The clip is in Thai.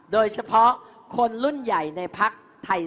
โดยเฉพาะคนรุ่นใหญ่ในพักไทย